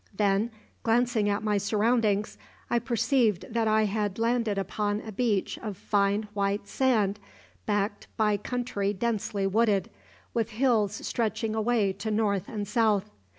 Then, glancing at my surroundings, I perceived that I had landed upon a beach of fine white sand, backed by country densely wooded, with hills stretching away to north and south.